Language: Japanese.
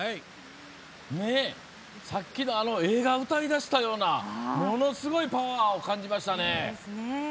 さっきの絵が歌いだしたようなものすごいパワーを感じましたね。